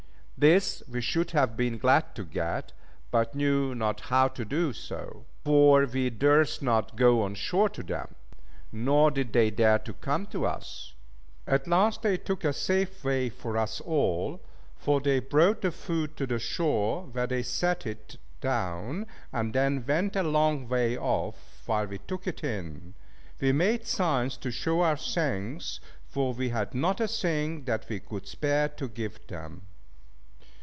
This we should have been glad to get, but knew not how to do so; for we durst not go on shore to them, nor did they dare to come to us. At last they took a safe way for us all, for they brought the food to the shore, where they set it, down, and then went a long way off while we took it in. We made signs to show our thanks, for we had not a thing that we could spare to give them.